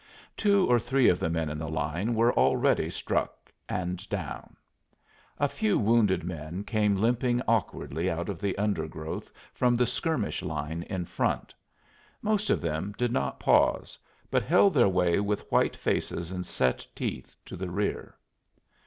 Two or three of the men in the line were already struck and down. A few wounded men came limping awkwardly out of the undergrowth from the skirmish line in front; most of them did not pause, but held their way with white faces and set teeth to the rear.